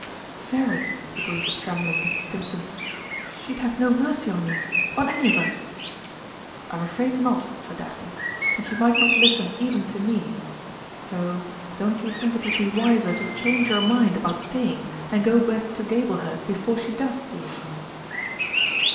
"Very," agreed the trembling Mrs. Stimpson. "She'd have no mercy on me on any of us!" "I'm afraid not," said Daphne, "and she might not listen even to me. So don't you think it would be wiser to change your mind about staying and go back to Gablehurst before she does see him?"